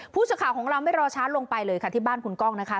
ผู้สื่อข่าวของเราไม่รอช้าลงไปเลยค่ะที่บ้านคุณกล้องนะคะ